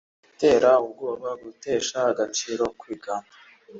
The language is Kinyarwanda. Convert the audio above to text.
gutera ubwoba gutesha agaciro kwigamba